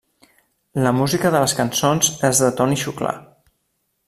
La música de les cançons és de Toni Xuclà.